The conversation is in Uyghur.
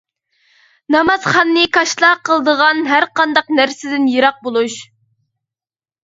نامازخاننى كاشىلا قىلىدىغان ھەر قانداق نەرسىدىن يىراق بولۇش.